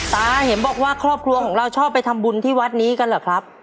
ตาเห็นบอกว่าครอบครัวของเราชอบไปทำบุญที่วัดนี้กันเหรอครับ